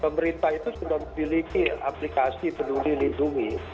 pemerintah itu sudah memiliki aplikasi peduli lindungi